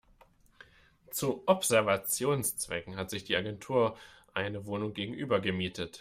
Zu Observationszwecken hat sich die Agentur eine Wohnung gegenüber gemietet.